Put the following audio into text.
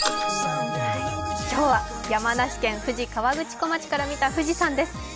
今日は山梨県富士河口湖町から見た富士山です。